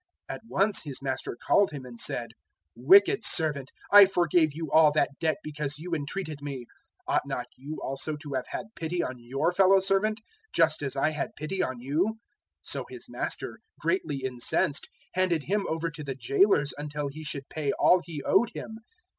018:032 At once his master called him and said, "`Wicked servant, I forgave you all that debt, because you entreated me: 018:033 ought not you also to have had pity on your fellow servant, just as I had pity on you?' 018:034 "So his master, greatly incensed, handed him over to the jailers until he should pay all he owed him.